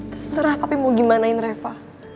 terserah tapi mau gimanain reva